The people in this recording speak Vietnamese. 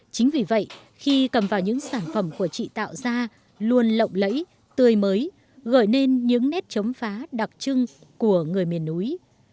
chính vì vậy khi cầm vào những sản phẩm của chị tạo ra luôn lộng lẫy tươi mới gửi nên những nét chấm phá đặc trưng của người miền núi